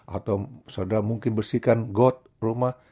atau mungkin saudara bersihkan got rumah